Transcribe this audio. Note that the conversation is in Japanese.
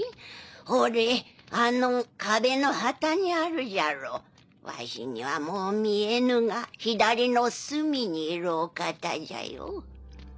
ほれあの壁の旗にあるじゃろうわしにはもう見えぬが左の隅にいるお方じゃよ。